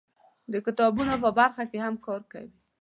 د کتابونو په برخه کې هم کار کوي.